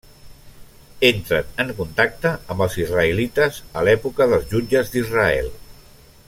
Entren en contacte amb els israelites a l'època dels jutges d'Israel.